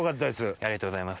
ありがとうございます